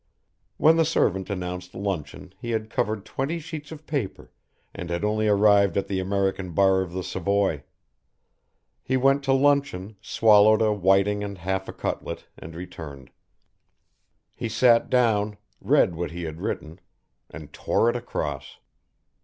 When the servant announced luncheon he had covered twenty sheets of paper and had only arrived at the American bar of the Savoy. He went to luncheon, swallowed a whiting and half a cutlet, and returned. He sat down, read what he had written, and tore it across.